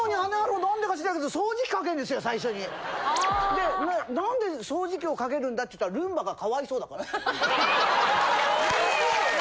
でなんで掃除機をかけるんだっつったらルンバがかわいそうだから。